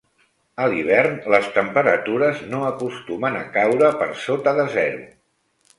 A l'hivern, les temperatures no acostumen a caure per sota de zero.